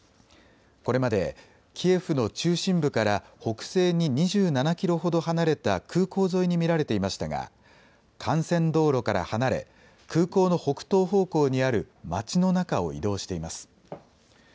これまでキエフの中心部から北西に２７キロほど離れた空港沿いに見られていましたが幹線道路から離れ空港の北東方向にある町の中を移動しています。